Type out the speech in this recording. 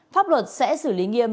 pháp luật sẽ xử lý nghiêm